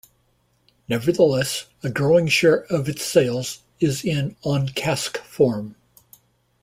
Nevertheless, a growing share of its sales is in on-cask form.